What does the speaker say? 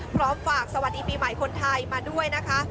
พร้อมฝากสวัสดีปีใหม่คนไทยมาด้วยนะคะ